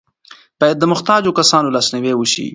باید د محتاجو کسانو لاسنیوی وشي.